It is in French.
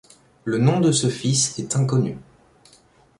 Le nom de ce fils est inconnu.